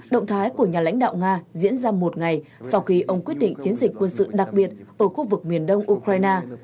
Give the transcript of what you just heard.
động thái của nhà lãnh đạo nga diễn ra một ngày sau khi ông quyết định chiến dịch quân sự đặc biệt ở khu vực miền đông ukraine